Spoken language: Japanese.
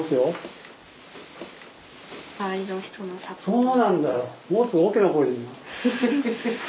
そうなんだよ。